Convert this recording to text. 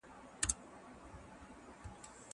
زه پرون اوبه پاکې کړې!!